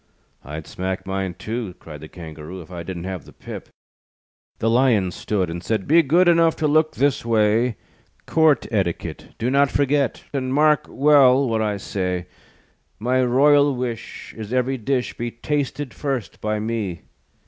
"I'd smack mine, too," Cried the Kangaroo, "If I didn't have the pip." The Lion stood, And said: "Be good Enough to look this way; Court Etiquette Do not forget, And mark well what I say: My royal wish Is ev'ry dish Be tasted first by me."